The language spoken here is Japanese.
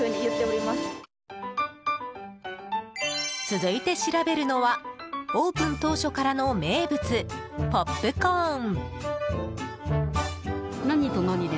続いて調べるのはオープン当初からの名物ポップコーン。